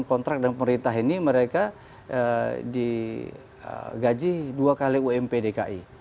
kontrak dan pemerintah ini mereka digaji dua kali ump dki